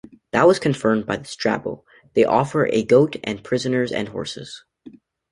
That was confirmed by Strabo: "They offer a goat and prisoners and horses".